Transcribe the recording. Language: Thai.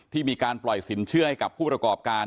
มีการปล่อยสินเชื่อให้กับผู้ประกอบการ